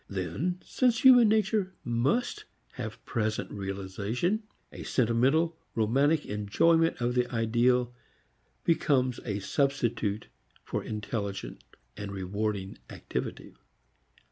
Then since human nature must have present realization, a sentimental, romantic enjoyment of the ideal becomes a substitute for intelligent and rewarding activity.